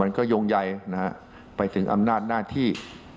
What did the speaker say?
มันก็ยงใยไปถึงอำนาจหน้าที่